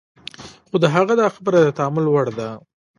خو د هغه دا خبره د تأمل وړ ده.